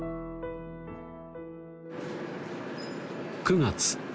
９月